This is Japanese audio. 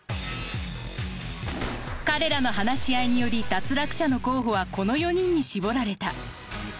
彼らの話し合いにより脱落者の候補はこの４人に絞られた。